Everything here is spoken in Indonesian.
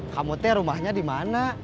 kamu rumahnya dimana